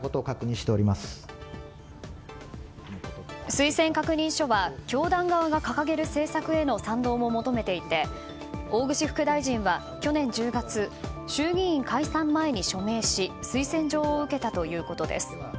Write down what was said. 推薦確認書は教団側が掲げる政策への賛同も求めていて大串副大臣は去年１０月衆議院解散前に署名し推薦状を受けたということです。